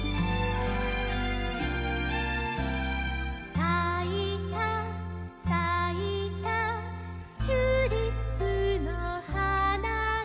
「さいたさいたチューリップの花が」